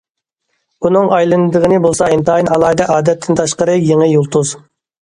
ئۇنىڭ ئايلىنىدىغىنى بولسا ئىنتايىن ئالاھىدە ئادەتتىن تاشقىرى يېڭى يۇلتۇز.